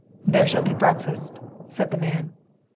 "There shall be breakfast," said the man.